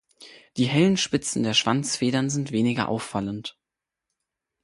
Die hellen Spitzen der Schwanzfedern sind weniger auffallend.